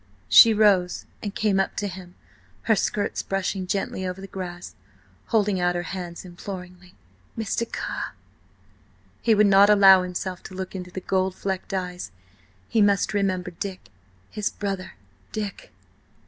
She rose and came up to him, her skirts brushing gently over the grass, holding out her hands imploringly. "Mr. Carr ..." He would not allow himself to look into the gold flecked eyes. ... He must remember Dick–his brother Dick!